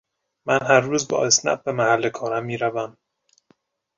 من هر روز با اسنپ به محل کارم میروم.